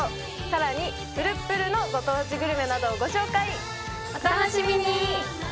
さらにプルップルのご当地グルメなどをご紹介お楽しみに！